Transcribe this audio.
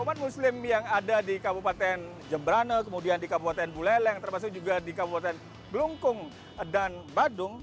umat muslim yang ada di kabupaten jemberana kemudian di kabupaten buleleng termasuk juga di kabupaten belungkung dan badung